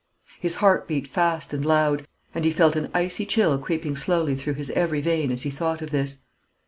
His heart beat fast and loud, and he felt an icy chill creeping slowly through his every vein as he thought of this.